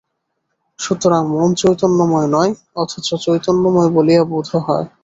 সুতরাং মন চৈতন্যময় নয়, অথচ চৈতন্যময় বলিয়া বোধ হয়।